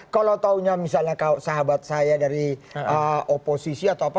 kalau taunya misalnya sahabat saya dari oposisi atau apa